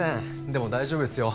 でも大丈夫ですよ